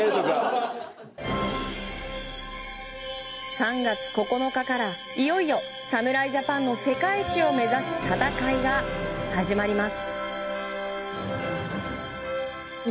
３月９日からいよいよ侍ジャパンの世界一を目指す戦いが始まります。